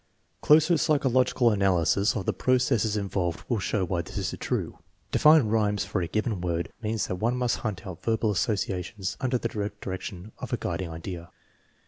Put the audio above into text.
Closer psychological analysis of the processes involved will show why this is true. To find rhymes for a given word means that one must hunt out verbal associations under the direction of a guiding idea.